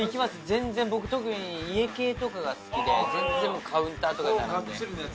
全然僕特に家系とかが好きで全然カウンターとかに並んで。